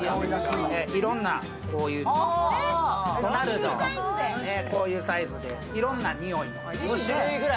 いろんな、こういうドナルド、こういうサイズでいろんな匂いの。